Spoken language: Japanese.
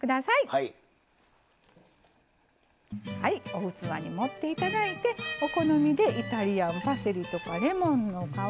お器に盛って頂いてお好みでイタリアンパセリとかレモンの皮